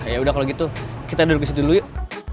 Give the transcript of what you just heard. ya udah kalau gitu kita duduk disitu dulu yuk